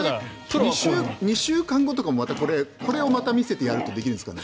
２週間とかもまたこれを見せるとできるんですかね。